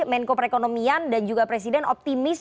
menko perekonomian dan juga presiden optimis